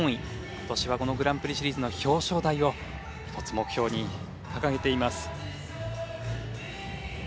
今年はこのグランプリシリーズの表彰台を１つ目標に掲げています。